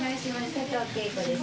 佐藤敬子です。